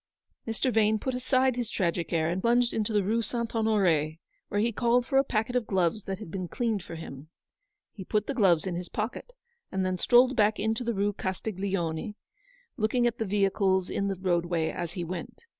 Mr. Vane put aside his tragic air, and plunged into the Rue St. Honore, where he called for a packet of gloves that had been cleaned for him. He put the gloves in his pocket, and then strolled back into the Kue Castiglione, looking at the vehicles in the roadway as he went.